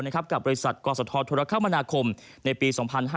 กับบริษัทกศธรภ์ธุรกรรมนาคมในปี๒๕๖๘